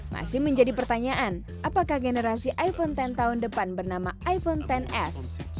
masih menjadi pertanyaan apakah generasi iphone x tahun depan bernama iphone xs